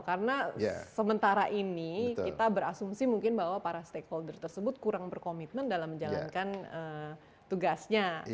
karena sementara ini kita berasumsi mungkin bahwa para stakeholder tersebut kurang berkomitmen dalam menjalankan tugasnya